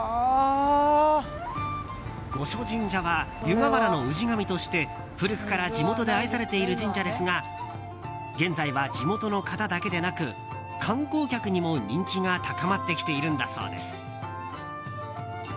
五所神社は湯河原の氏神として古くから地元で愛されている神社ですが現在は、地元の方だけでなく観光客にも人気が高まってきているんだそうです。